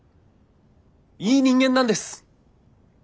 いい人間なんです。